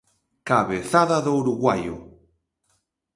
Cabezada do uruguaio.